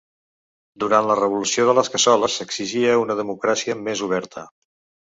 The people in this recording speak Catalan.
Durant la revolució de les cassoles s’exigia una democràcia més oberta.